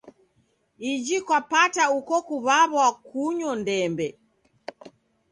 Iji kwapata uko kuw'aw'a kunyo ndembe.